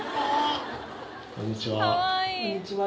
こんにちは